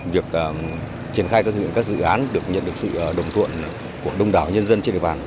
việc triển khai các dự án được nhận được sự đồng thuận của đông đảo nhân dân trên đời bản